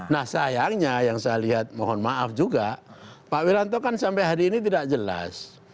nah sayangnya yang saya lihat mohon maaf juga pak wiranto kan sampai hari ini tidak jelas